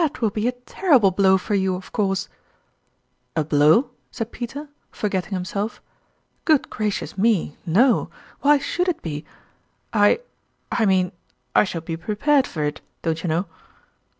" That will be a terrible blow for you, of course ?"" A blow ?" said Peter, forgetting himself. " Good gracious me, no ! Why should it be ? I I mean, I shall be prepared for it, don't you know